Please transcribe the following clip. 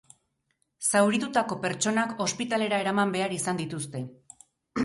Zauritutako pertsonak ospitalera eraman behar izan dituzte.